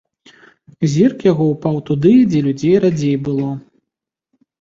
Зірк яго ўпаў туды, дзе людзей радзей было.